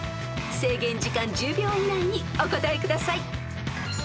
［制限時間１０秒以内にお答えください］